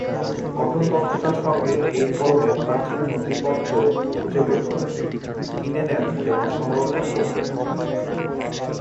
Cotton দক্ষতার সঙ্গে এই ধরনের প্রাচীন নথিপত্র খুঁজে বের করেন, কিনে নেন এবং সংরক্ষণ করতে থাকেন।